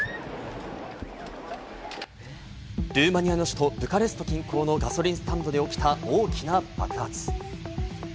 ルーマニアの首都ブカレスト近郊のガソリンスタンドで起きた大きな爆発。